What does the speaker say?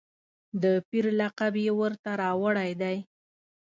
د پیر لقب یې ورته راوړی دی.